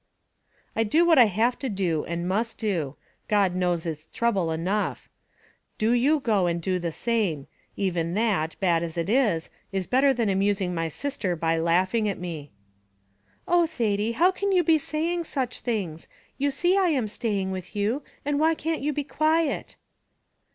"I do what I have to do, and must do; God knows its throuble enough. Do you go and do the same; even that, bad as it is, is better than amusing my sister by laughing at me." "Oh, Thady, how can you be saying such things! you see I am staying for you, and why can't you be quiet?"